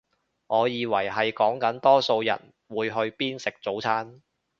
我以為係講緊多數人會去邊食早餐